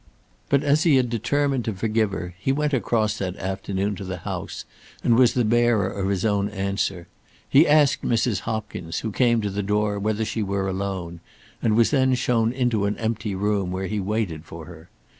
But as he had determined to forgive her, he went across that afternoon to the house and was the bearer of his own answer. He asked Mrs. Hopkins who came to the door whether she were alone, and was then shown into an empty room where he waited for her.